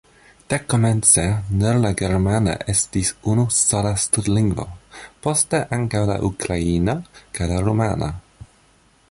Dekomence nur la germana estis unusola stud-lingvo, poste ankaŭ la ukraina kaj la rumana.